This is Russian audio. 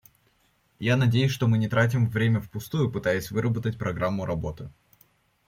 Я надеюсь, что мы не тратим время впустую, пытаясь выработать программу работы.